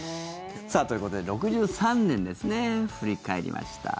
ということで６３年ですね振り返りました。